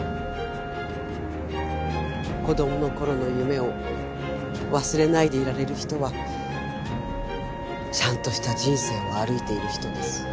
子供の頃の夢を忘れないでいられる人はちゃんとした人生を歩いている人です。